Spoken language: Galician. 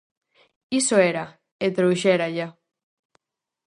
Iso era, e trouxéralla.